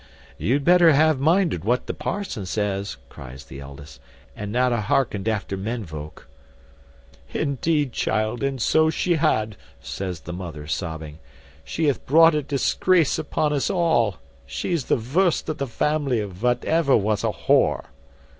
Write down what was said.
"You'd better have minded what the parson says," cries the eldest, "and not a harkened after men voke." "Indeed, child, and so she had," says the mother, sobbing: "she hath brought a disgrace upon us all. She's the vurst of the vamily that ever was a whore."